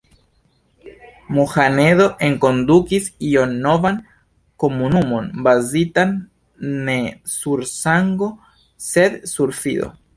Mohamedo enkondukis ion novan: komunumon bazitan ne sur sango, sed sur fido.